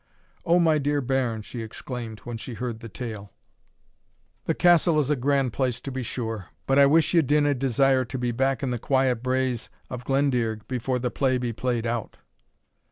"Oh, my dear bairn!" she exclaimed, when she heard the tale, "the castle is a grand place to be sure, but I wish ye dinna a' desire to be back in the quiet braes of Glendearg before the play be played out."